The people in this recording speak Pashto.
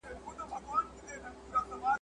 هغه بايد د ده خواخوږی وي.